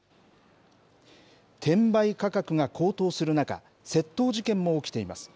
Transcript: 転売価格が高騰する中、窃盗事件も起きています。